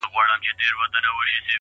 د زړه سکون له سم وجدان راځي,